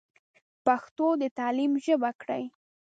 پښتو د تعليم ژبه کړئ.